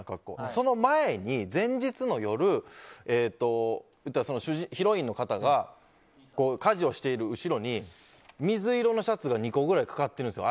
その前に前日の夜にヒロインの方が家事をしている後ろに水色のシャツが２個ぐらいかかってるんですよ。